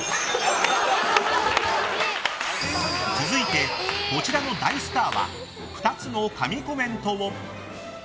続いて、こちらの大スターは２つの神コメントを。